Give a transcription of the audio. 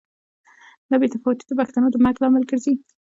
دا بې تفاوتي د پښتو د مرګ لامل ګرځي.